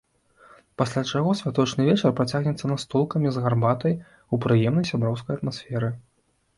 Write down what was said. Пасля чаго святочны вечар працягнецца настолкамі з гарбатай у прыемнай сяброўскай атмасферы.